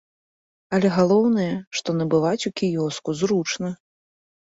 Але галоўнае, што набываць у кіёску зручна.